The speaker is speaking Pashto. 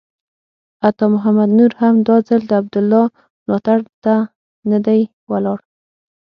عطا محمد نور هم دا ځل د عبدالله ملاتړ ته نه دی ولاړ.